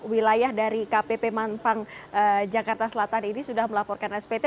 wilayah dari kpp mampang jakarta selatan ini sudah melaporkan spt